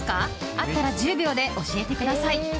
あったら１０秒で教えてください。